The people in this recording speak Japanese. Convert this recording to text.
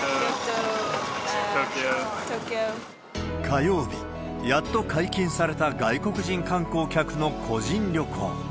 火曜日、やっと解禁された外国人観光客の個人旅行。